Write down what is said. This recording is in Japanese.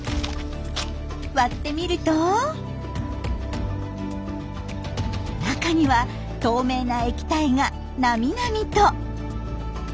割ってみると中には透明な液体がなみなみと。